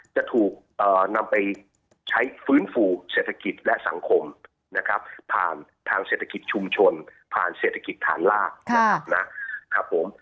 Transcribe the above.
จะถูกนำไปใช้ฟื้นฟูเศรษฐกิจและสังคมนะครับผ่านทางเศรษฐกิจชุมชนผ่านเศรษฐกิจฐานรากนะครับผม